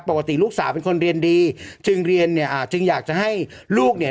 ปกติลูกสาวเป็นคนเรียนดีจึงเรียนเนี่ยอ่าจึงอยากจะให้ลูกเนี่ย